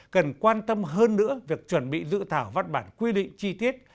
cần quan tâm hơn nữa việc chuẩn bị dự thảo văn bản quy định chi tiết